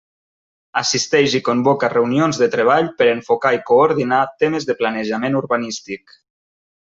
Assisteix i convoca reunions de treball per enfocar i coordinar temes de planejament urbanístic.